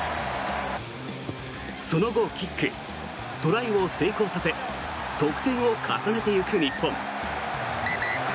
その後、キックトライを成功させ得点を重ねていく日本。